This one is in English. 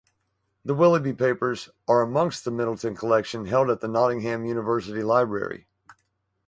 The Willughby papers are amongst the Middleton collection held at the Nottingham University Library.